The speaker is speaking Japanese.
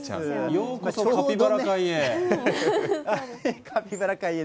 ようこそカピバラ界へ。